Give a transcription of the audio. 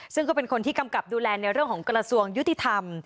ซึ่งก็เป็นคนที่กำกับดูแลในเรื่องของกระทรวงยุติธรรม